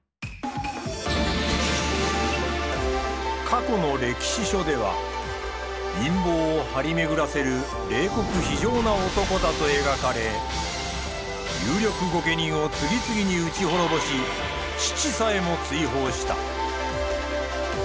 過去の歴史書では陰謀を張り巡らせる冷酷非情な男だと描かれ有力御家人を次々に討ち滅ぼし父さえも追放した。